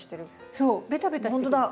そうベタベタしてくるの。